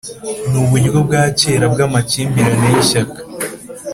nuburyo bwa kera bwamakimbirane yishyaka;